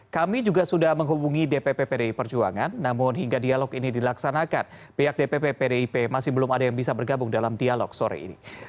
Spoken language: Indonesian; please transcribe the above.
kami juga sudah menghubungi dpp pdi perjuangan namun hingga dialog ini dilaksanakan pihak dpp pdip masih belum ada yang bisa bergabung dalam dialog sore ini